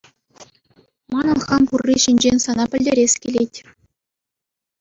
Манӑн хам пурри ҫинчен сана пӗлтерес килет.